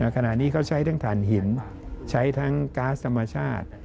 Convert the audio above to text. ขณะนี้เขาใช้ทั้งฐานหินใช้ทั้งก๊าซธรรมชาติ